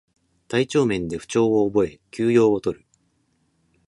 体調面で不調を覚え休養をとる